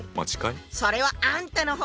それはあんたの方ね。